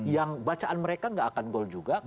yang bacaan mereka nggak akan gol juga